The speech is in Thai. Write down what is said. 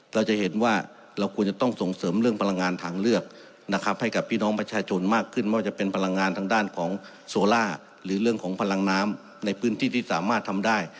เราจะเห็นว่าเราควรจะต้องส่งเสริมเรื่องพลังงานทางเลือกนะครับให้กับพี่น้องประชาชนมากขึ้นไม่ว่าจะเป็นพลังงานทางด้านของโซล่าหรือเรื่องของพลังน้ำในพื้นที่ที่สามารถทำได้